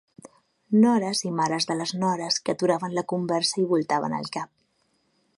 Nores i mares de les nores, que aturaven la conversa i voltaven el cap.